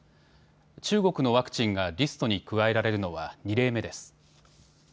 中国のワクチンがリストに加えられるのは２例目です。